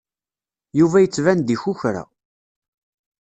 Yuba yettban-d ikukra.